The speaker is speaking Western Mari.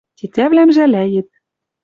Тетявлӓм жӓлӓет